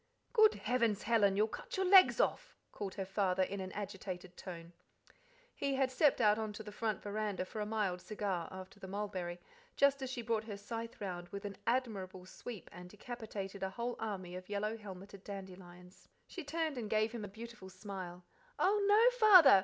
"Good heavens, Helen! you'll cut your legs off!" called her father, in an agitated tone. He had stepped out on to the front veranda for a mild cigar after the mulberry just as she brought her scythe round with an admirable sweep and decapitated a whole army of yellow helmeted dandelions. She turned and gave him a beautiful smile. "Oh, no, Father!